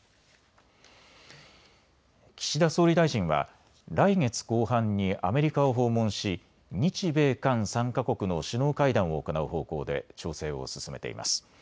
岸田総理大臣は来月後半にアメリカを訪問し日米韓３か国の首脳会談を行う方向で調整を進めています。